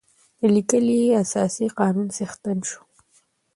د لیکلي اساسي قانون څښتن شو.